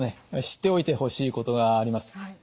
知っておいてほしいことがあります。